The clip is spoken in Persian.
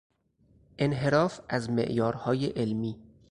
انحراف از معیارهای علمی